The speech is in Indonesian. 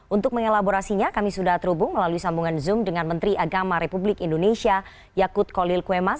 untuk mengelaborasinya kami sudah terhubung melalui sambungan zoom dengan menteri agama republik indonesia yakut kolil kwemas